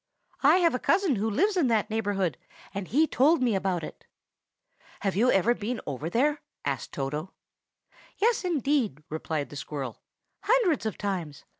I have a cousin who lives in that neighborhood, and he told me about it." "Have you ever been over there?" asked Toto. "Yes, indeed!" replied the squirrel, "hundreds of times.